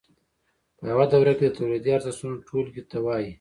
په یوه دوره کې د تولیدي ارزښتونو ټولګې ته وایي